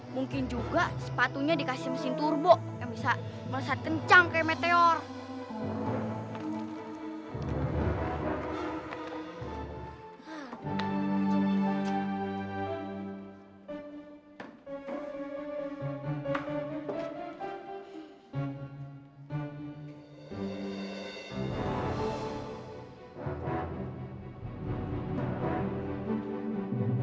mungkin juga sepatunya dikasih mesin turbo yang bisa melesat kencang kayak meteor